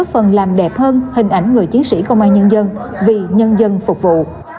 phần làm đẹp hơn hình ảnh người chiến sĩ công an nhân dân vì nhân dân phục vụ